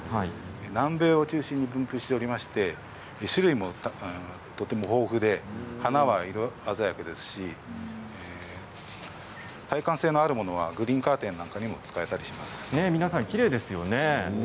南米を中心に生息していまして種類もとても豊富で花は色鮮やかですし耐寒性のあるものはグリーンカーテンにも使われています。